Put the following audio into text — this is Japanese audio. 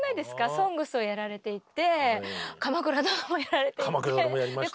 「ＳＯＮＧＳ」をやられていて「鎌倉殿」もやられていて。